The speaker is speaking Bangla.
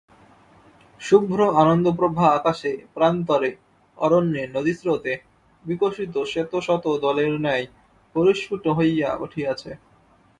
শুভ্র আনন্দপ্রভা আকাশে প্রান্তরে অরণ্যে নদীস্রোতে বিকশিত শ্বেতশতদলের ন্যায় পরিস্ফুট হইয়া উঠিয়াছে।